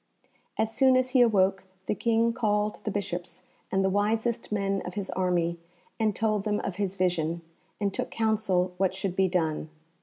As soon as he awoke the King called the Bishops and the wisest men of his army, and told them of his vision, and took counsel what should be done.